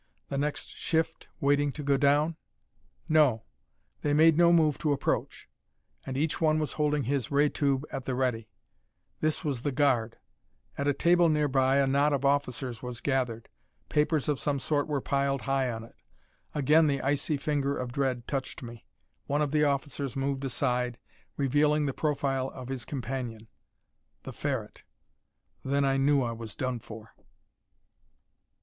The next shift waiting to go down? No they made no move to approach. And each one was holding his ray tube at the ready. This was the guard. At a table nearby a knot of officers was gathered. Papers of some sort were piled high on it. Again the icy finger of dread touched me. One of the officers moved aside, revealing the profile of his companion. The Ferret. Then I knew I was done for!